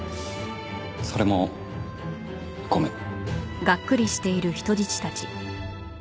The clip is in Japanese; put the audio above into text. それもごめん。